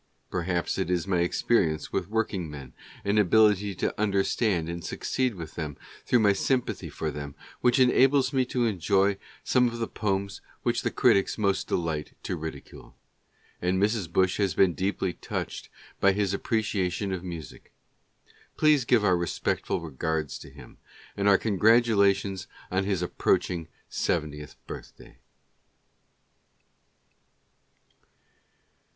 Perhaps it is my experience with workingmen, and ability to understand and succeed with them through my sympathy for them, which enables me to enjoy some of the poems which the critics most delight to ridicule ; and Mrs. Bush has been deeply touched by his appreciation of music. Please give our respectful regards to him, and our congratula tions on his approaching seventieth birthday.